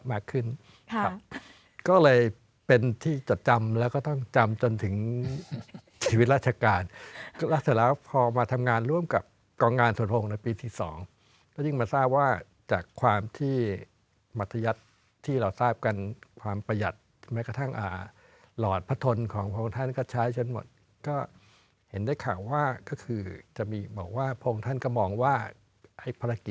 มากขึ้นครับก็เลยเป็นที่จดจำแล้วก็ต้องจำจนถึงชีวิตราชการแล้วเสร็จแล้วพอมาทำงานร่วมกับกองงานส่วนองค์ในปีที่สองก็ยิ่งมาทราบว่าจากความที่มัธยัติที่เราทราบกันความประหยัดแม้กระทั่งหลอดพระทนของพระองค์ท่านก็ใช้ฉันหมดก็เห็นได้ข่าวว่าก็คือจะมีบอกว่าพระองค์ท่านก็มองว่าไอ้ภารกิจ